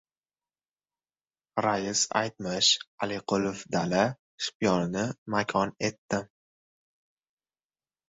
Rais aytmish Aliqulov dala shiyponini makon etdim.